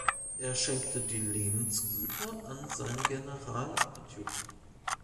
Er schenkte die Lehnsgüter an seinen Generaladjutanten